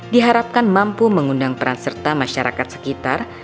diharapkan mampu mengundang peran serta masyarakat sekitar